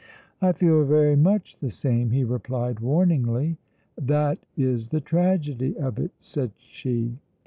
"I feel very much the same," he replied warningly. "That is the tragedy of it," said she.